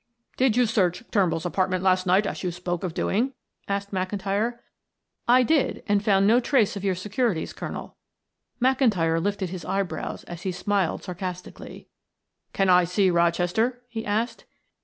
"Did you search Turnbull's apartment last night as you spoke of doing?" asked McIntyre. "I did, and found no trace of your securities, Colonel." McIntyre lifted his eyebrows as he smiled sarcastically. "Can I see Rochester?" he asked.